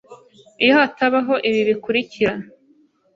iyo hatabaho ibi bikurikira: